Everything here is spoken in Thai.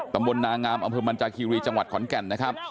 ตำบลนางามอำเภอมันจาคีรีจังหวัดขอนแก่นนะครับ